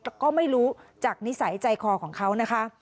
แต่ก็ไม่รู้จากนิสัยใจคอของเขานะคะ